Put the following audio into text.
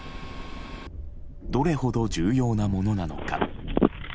どれほど重要なものなのか。